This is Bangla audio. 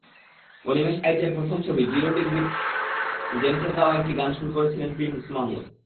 অনিমেষ আইচের প্রথম ছবি জিরো ডিগ্রিতেজেমসের গাওয়া একটি গান সুর করেছিলেন প্রিন্স মাহমুদ।